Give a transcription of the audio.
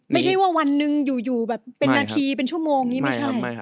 ไม่ใช่ว่าวันหนึ่งอยู่แบบเป็นนาทีเป็นชั่วโมงอย่างนี้ไม่ใช่